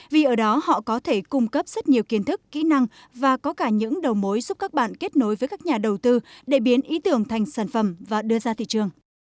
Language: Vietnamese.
vì ở đó họ có thể cung cấp rất nhiều kiến thức kỹ năng và có cả những đầu mối giúp các bạn kết nối với các nhà đầu tư để biến ý tưởng thành sản phẩm và đưa ra thị trường